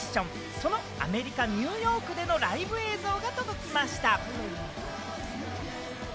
そのアメリカ・ニューヨークでのライブ映像が届きました。